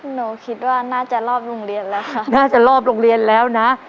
หนูคิดว่าน่าจะรอบโรงเรียนแล้วค่ะน่าจะรอบโรงเรียนแล้วนะ